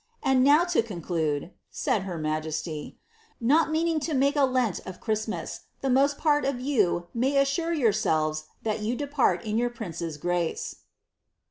And now, to conclude," said her maje8ty, ^^ not mean ing to make a Lent of Christmas, the most part of you may assure joaraelTes that you depart in your prince's grace."